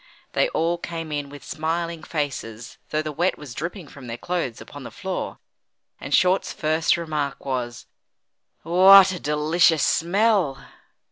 They all came in with smiling faces though the wet was dripping from their clothes upon the floor, and Short's first remark was: "What a delicious smell!"